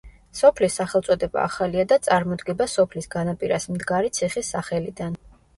სოფლის სახელწოდება ახალია და წარმოდგება სოფლის განაპირას მდგარი ციხის სახელიდან.